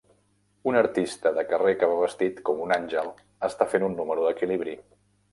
Un artista de carrer que va vestit com un àngel està fent un número d'equilibri.